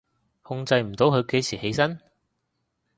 控制唔到佢幾時起身？